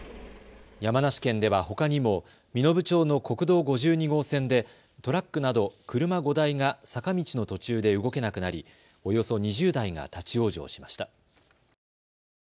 山梨県ではほかにも身延町の国道５２号線でトラックなど車５台が坂道の途中で動けなくなりおよそ２０台が立往生しました。